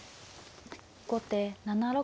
後手７六銀。